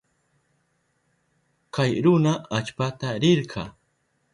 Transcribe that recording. Kay runa allpata rirka.